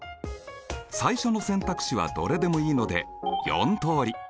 最初の選択肢はどれでもいいので４通り。